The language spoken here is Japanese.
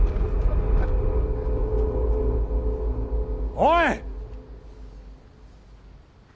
おい！